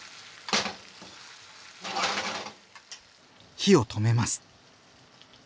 火を止めます。